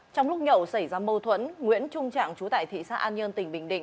trong lúc nhậu xảy ra mâu thuẫn nguyễn trung trạng chú tại thị xã an nhơn tỉnh bình định